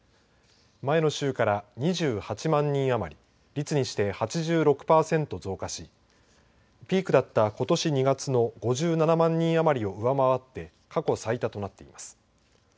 前の週から２８万人余り率にして８６パーセント増加しピークだった、ことし２月の５７万人余りを上回って過去最多となっています